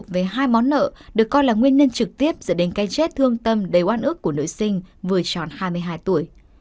với hai món nợ được coi là nguyên nhân trực tiếp dẫn đến cái chết thương tâm đầy oan ức của nữ sinh vừa tròn hai mươi hai tuổi